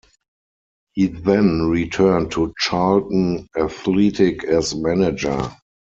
He then returned to Charlton Athletic as manager.